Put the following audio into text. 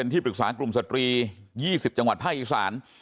ที่ปรึกษากลุ่มสตรี๒๐จังหวัดภาคอีสาน